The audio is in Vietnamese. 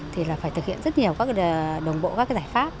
thì phải thực hiện rất nhiều đồng bộ các giải pháp